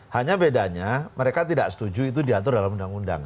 hanya bedanya mereka tidak setuju itu diatur dalam undang undang